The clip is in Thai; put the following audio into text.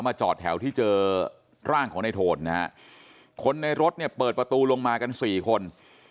จอดแถวที่เจอร่างของในโทนนะฮะคนในรถเนี่ยเปิดประตูลงมากันสี่คน